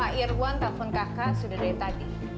pak irwan telpon kakak sudah dari tadi